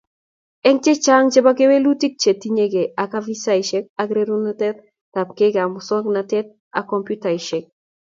Eng che chang chebo kewelutik che tinyekei ak afisaek ak rerunetab muswoknatet ab kompyutaisiek